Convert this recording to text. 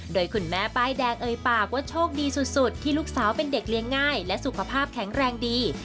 โดยคุณแม่ป้ายแดงเอ่ยปากว่าโชคดีสุดที่ลูกสาวเป็นเด็กเลี้ยงง่ายและสุขภาพแข็งแรงดี